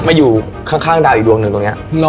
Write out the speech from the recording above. มาอยู่ข้างดาวอีกดวงหนึ่งตรงนี้